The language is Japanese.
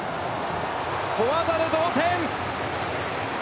小技で同点！